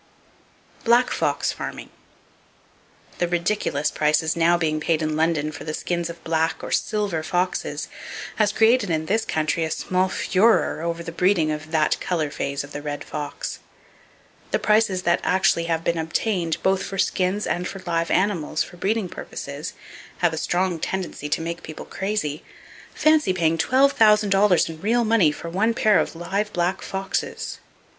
Black Fox Farming. —The ridiculous prices now being paid in London for the skins of black or "silver" foxes has created in this country a small furore over the breeding of that color phase of the red fox. The prices that actually have been obtained, both for skins and for live animals for breeding purposes, have a strong tendency to make people crazy. Fancy paying $12,000 in real money for one pair of live black foxes!